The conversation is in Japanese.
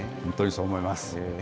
本当にそう思います。